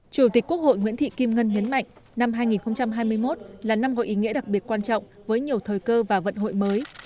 chủ tịch quốc hội nguyễn thị kim ngân nhấn mạnh năm hai nghìn hai mươi một là năm gọi ý nghĩa đặc biệt quan trọng với nhiều thời cơ và vận hội mới